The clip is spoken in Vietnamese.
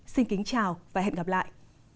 xin kính chào và hẹn gặp lại